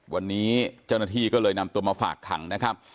วันนี้เจ้าหน้าที่ก็เลยนำตัวมาฝากขังนะครับ